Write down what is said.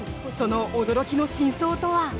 その驚きの真相とは。